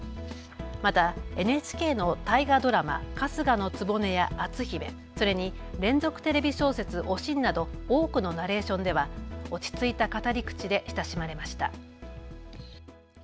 またＮＨＫの大河ドラマ、春日局や篤姫、それに連続テレビ小説、おしんなど多くのナレーションでは落ち着いた語り口で親しまれました。